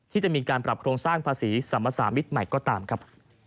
ที่จะมีการปรับโครงสร้างภาษีสรรพสามิตรใหม่ก็ตามครับ